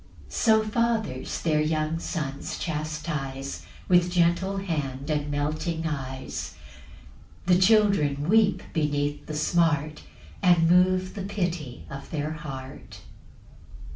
6 So fathers their young sons chastise, With gentle hand and melting eyes; The children weep beneath the smart, And move the pity of their heart.